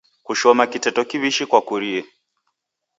Kushoma kiteto kiwishi kwakurie.